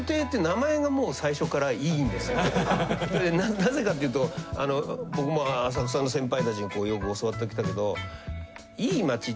なぜかっていうと僕も浅草の先輩たちによく教わってきたけど。